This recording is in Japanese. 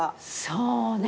そうね。